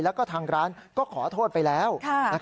แล้วก็ทางร้านก็ขอโทษไปแล้ว